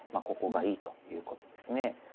ここがいいということですね。